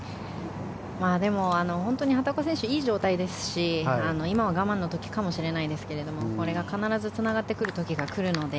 でも、畑岡選手いい状態ですし今は我慢の時かもしれないですけどこれが必ずつながってくる時が来るので